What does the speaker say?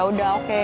oh yaudah oke